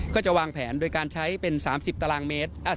ก็จะวางแผนด้วยการใช้เป็น๓๐กม